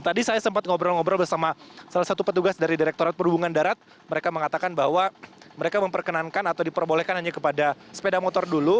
tadi saya sempat ngobrol ngobrol bersama salah satu petugas dari direkturat perhubungan darat mereka mengatakan bahwa mereka memperkenankan atau diperbolehkan hanya kepada sepeda motor dulu